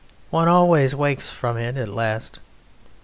One always wakes from it at last.